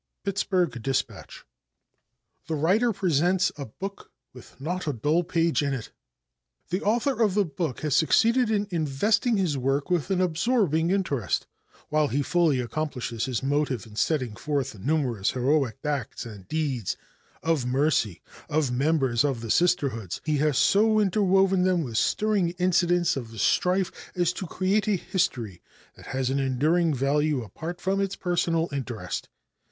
Pittsburg Dispatch. The Writer "Presents a Book With Not a Dull Page in it." The author of the book has succeeded in investing his work with an absorbing interest. While he fully accomplishes his motive in setting forth the numerous heroic acts and deeds of mercy of members of the Sisterhoods, he has so interwoven them with stirring incidents of the strife as to create a history that has an enduring value apart from its personal interest.